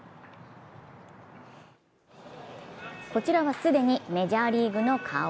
こちらは既にメジャーリーグの顔。